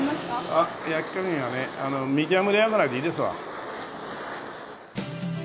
あっ焼き加減はねミディアムレアぐらいでいいですわ。